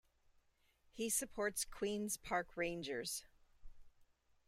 He supports Queens Park Rangers.